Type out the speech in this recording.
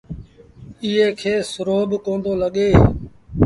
ايئي کي سرو با ڪوندو لڳي۔